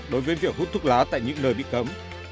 đối với việc hút thuốc lá tại những nơi bị cấm